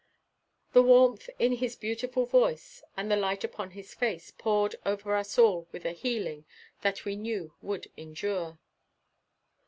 The warmth in his beautiful voice and the light upon his face poured over us all with a healing that we knew would endure.